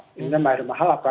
indonesia membayar mahal apa